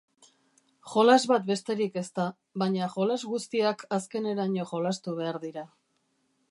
Jolas bat besterik ez da, baina jolas guztiak azkeneraino jolastu behar dira.